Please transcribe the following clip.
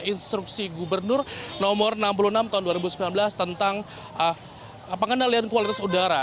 instruksi gubernur nomor enam puluh enam tahun dua ribu sembilan belas tentang pengendalian kualitas udara